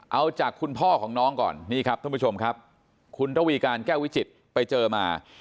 เอาจากคุณพ่อของน้องก่อนนี่ครับท่านผู้ชมครับคุณระวีการแก้ววิจิตรไปเจอมา